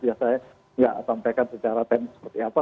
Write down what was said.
biasanya nggak sampaikan secara teknis seperti apa